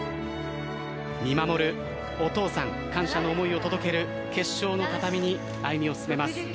見守るお父さん、感謝の思いを届ける決勝の畳に歩みを進めます。